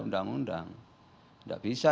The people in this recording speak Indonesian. undang undang tidak bisa